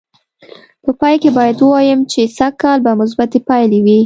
په پای کې باید ووایم چې سږ کال به مثبتې پایلې وې.